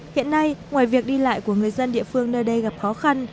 hiện nay ngoài việc đi lại của người dân địa phương nơi đây gặp khó khăn